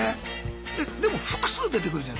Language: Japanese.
えっでも複数出てくるじゃん